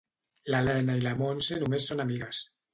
L'Elena i la Montse només són amigues.